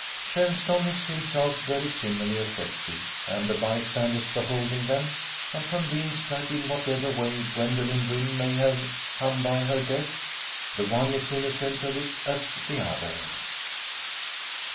Shenstone is himself very similarly affected, and the bystanders beholding them are convinced that, in whatever way Gwendoline Wynn may have come by her death, the one is innocent of it as the other.